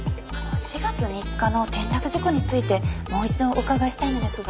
４月３日の転落事故についてもう一度お伺いしたいのですが。